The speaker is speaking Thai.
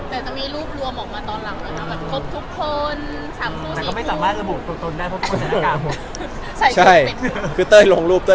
แต่จะมีรูปรวมรวมมาตอนหลังเลยล่ะนะ